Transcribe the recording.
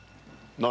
何？